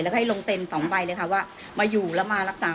แล้วก็ให้ลงเซ็น๒ใบเลยค่ะว่ามาอยู่แล้วมารักษา